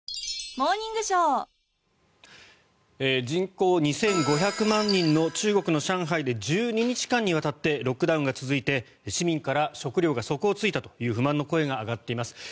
人口２５００万人の中国の上海で１２日間にわたってロックダウンが続いて市民から食料が底を突いたという不満の声が上がっています。